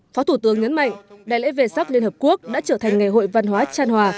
phó thủ tướng nhấn mạnh đại lễ về sắc liên hợp quốc đã trở thành ngày hội văn hóa tràn hòa